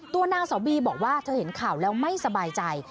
นางสาวบีบอกว่าเธอเห็นข่าวแล้วไม่สบายใจ